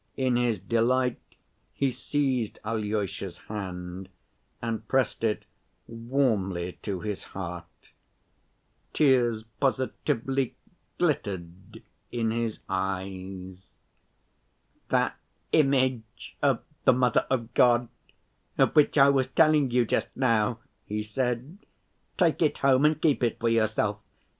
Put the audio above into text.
In his delight he seized Alyosha's hand and pressed it warmly to his heart. Tears positively glittered in his eyes. "That image of the Mother of God of which I was telling you just now," he said. "Take it home and keep it for yourself.